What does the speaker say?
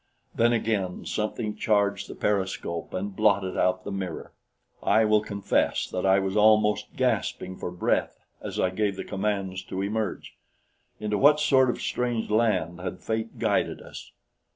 Then again something charged the periscope and blotted out the mirror. I will confess that I was almost gasping for breath as I gave the commands to emerge. Into what sort of strange land had fate guided us?